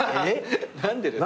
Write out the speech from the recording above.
何でですか？